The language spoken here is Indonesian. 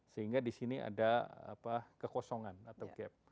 sehingga di sini ada kekosongan atau gap